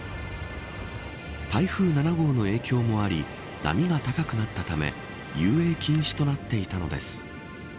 台風７号の影響もあり波が高くなったため遊泳禁止となっていたのです。